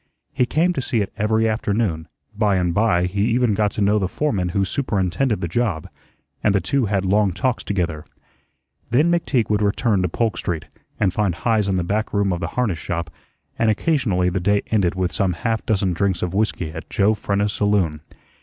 He came to see it every afternoon; by and by he even got to know the foreman who superintended the job, and the two had long talks together. Then McTeague would return to Polk Street and find Heise in the back room of the harness shop, and occasionally the day ended with some half dozen drinks of whiskey at Joe Frenna's saloon.